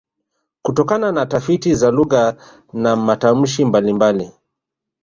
Kutokana na tafiti za lugha na matamshi mbalimbali